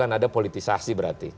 ini politisasi berarti